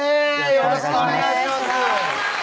よろしくお願いします